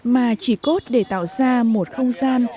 mà chỉ cốt để tạo ra một không gian